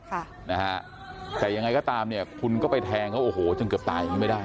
ค่ะนะฮะแต่ยังไงก็ตามเนี่ยคุณก็ไปแทงเขาโอ้โหจนเกือบตายอย่างงี้ไม่ได้